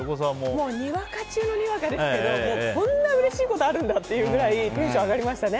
にわか中にわかですけどこんなうれしいことあるんだっていうくらいテンション上がりましたね。